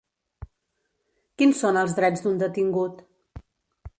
Quins són els drets d’un detingut?